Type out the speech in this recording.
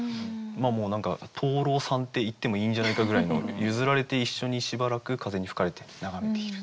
もう何か蟷螂さんって言ってもいいんじゃないかぐらいの譲られて一緒にしばらく風に吹かれて眺めている。